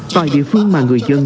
tại địa phương mà người dân